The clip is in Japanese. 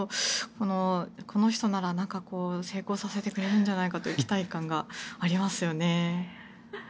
この人なら成功させてくれるんじゃないかという期待感がありますよね。